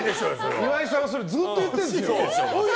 岩井さんはずっと言ってるんですよ。